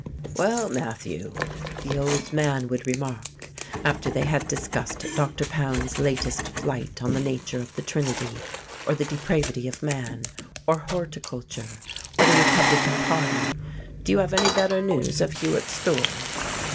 "Well, Matthew," the old man would remark, after they had discussed Dr. Pound's latest flight on the nature of the Trinity or the depravity of man, or horticulture, or the Republican Party, "do you have any better news of Hugh at school?"